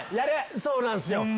そうなんすよ